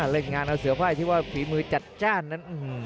เล่นงานเอาเสือพ่ายที่ว่าฝีมือจัดจ้านนั้น